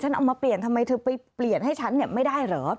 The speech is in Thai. เอามาเปลี่ยนทำไมเธอไปเปลี่ยนให้ฉันไม่ได้เหรอ